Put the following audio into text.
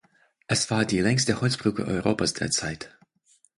Es war die längste Holzbrücke Europas der Zeit.